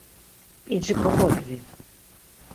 p̌ici koǩodvi!